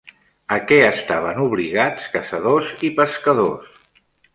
A què estaven obligats caçadors i pescadors?